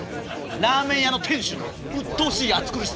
ラーメン屋の店主のうっとうしい暑苦しさ。